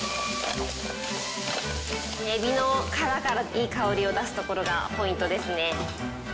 えびの殻からいい香りを出すところがポイントですね。